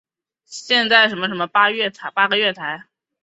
现在普雷斯顿车站共有八个月台。